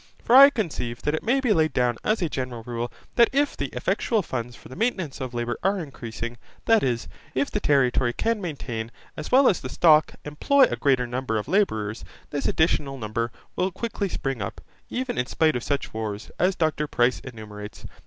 For I conceive that it may be laid down as a general rule that if the effectual funds for the maintenance of labour are increasing, that is, if the territory can maintain as well as the stock employ a greater number of labourers, this additional number will quickly spring up, even in spite of such wars as Dr Price enumerates.